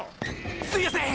すいやせん。